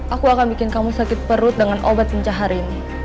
aku akan bikin kamu sakit perut dengan obat pencahari ini